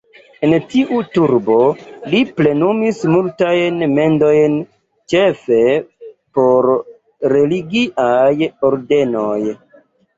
En tiu urbo li plenumis multajn mendojn, ĉefe por religiaj ordenoj.